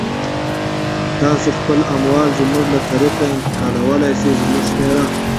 تاسو خپل اموال زموږ له طریقه انتقالولای سی، زموږ شمیره